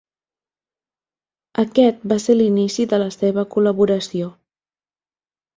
Aquest va ser l'inici de la seva col·laboració.